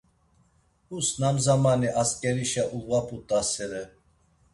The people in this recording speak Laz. Hus nam zamani, asǩerişe ulvaput̆asere.